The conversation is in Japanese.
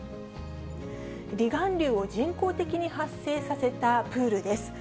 離岸流を人工的に発生させたプールです。